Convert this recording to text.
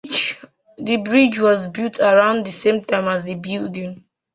The bridge was built around the same time as the building.